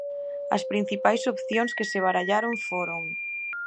As principais opcións que se barallaron foron...